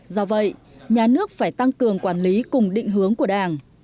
do vậy nhà nước phải tăng cường quản lý cùng định hướng của đảng